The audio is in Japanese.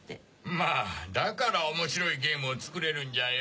まぁだから面白いゲームを作れるんじゃよ。